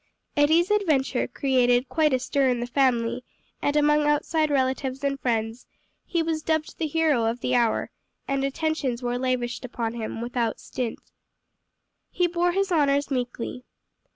Eddie's adventure created quite a stir in the family and among outside relatives and friends, he was dubbed the hero of the hour, and attentions were lavished upon him without stint. He bore his honors meekly.